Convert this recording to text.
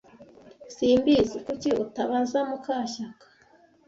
S Simbizi. Kuki utabaza mukashyaka?